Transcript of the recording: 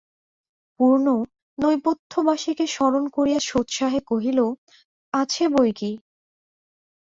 পূর্ণ নেপথ্যবাসিনীকে স্মরণ করিয়া সোৎসাহে কহিল, আছে বৈকি।